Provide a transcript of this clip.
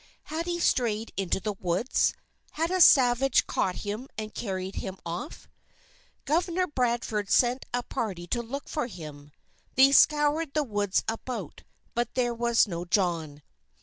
Had he strayed into the woods? Had a savage caught him and carried him off? Governor Bradford sent a party to look for him. They scoured the woods about, but there was no John.